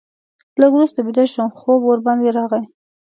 لږ وروسته بیده شوم، خوب ورباندې راغی.